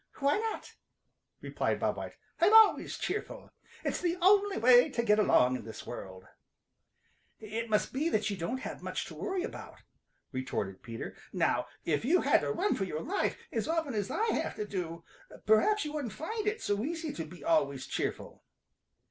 "Why not?" replied Bob White. "I'm always cheerful. It's the only way to get along in this world." "It must be that you don't have much to worry about," retorted Peter. "Now if you had to run for your life as often as I have to, perhaps you wouldn't find it so easy to be always cheerful."